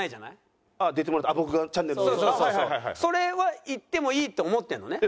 それは行ってもいいと思ってるのね？